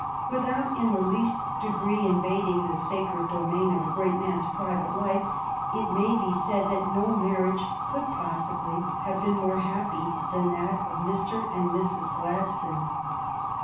Without in the least degree invading the sacred domain of a great man's private life, it may be said that no marriage could possibly have been more happy than that of Mr. and Mrs. Gladstone.